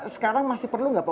sekarang masih perlu nggak pak